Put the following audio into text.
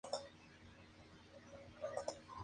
Llegan autobuses procedentes de diferentes puntos de Galicia.